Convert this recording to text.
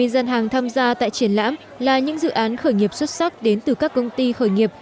hai mươi gian hàng tham gia tại triển lãm là những dự án khởi nghiệp xuất sắc đến từ các công ty khởi nghiệp